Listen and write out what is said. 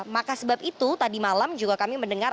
maka sebab itu tadi malam juga kami mendengar